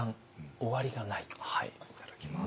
いただきます。